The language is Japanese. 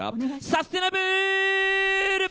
サステナブール！